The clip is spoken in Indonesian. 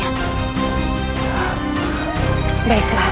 aku takut disini sendirian